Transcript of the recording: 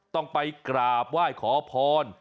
ต้องไปกราบไหว้ขอพร